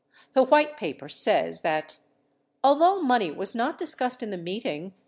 55 The White Paper says that : [although money was not discussed in the meeting .